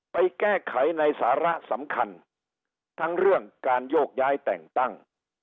ไปแก้ไขในสาระสำคัญทั้งเรื่องการโยกย้ายแต่งตั้ง